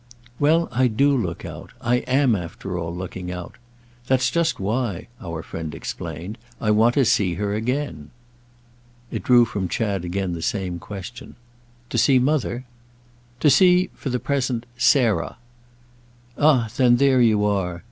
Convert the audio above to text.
"Well, I do look out. I am, after all, looking out. That's just why," our friend explained, "I want to see her again." It drew from Chad again the same question. "To see Mother?" "To see—for the present—Sarah." "Ah then there you are!